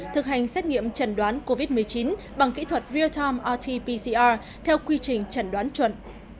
thực hành xét nghiệm chẩn đoán covid một mươi chín bằng kỹ thuật real time rt pcr theo quy trình chẩn đoán chuẩn